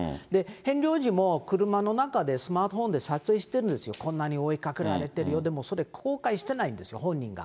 ヘンリー王子も車の中で、スマートフォンで撮影してるんですよ、こんなに追いかけられてるよ、でもそれ、公開してないんですよ、本人が。